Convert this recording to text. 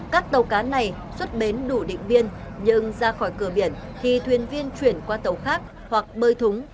các tàu cá này xuất bến đủ định biên nhưng ra khỏi cửa biển thì thuyền viên chuyển qua tàu khác hoặc bơi thúng